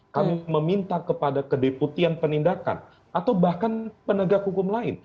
kami meminta kepada kedeputian penindakan atau bahkan penegak hukum lain